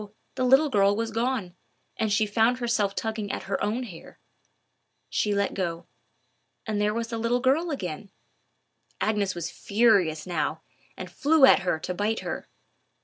the little girl was gone, and she found herself tugging at her own hair. She let go; and there was the little girl again! Agnes was furious now, and flew at her to bite her.